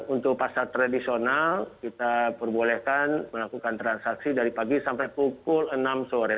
untuk pasar tradisional kita perbolehkan melakukan transaksi dari pagi sampai pukul enam sore